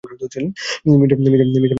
মিশা আজ আসামি।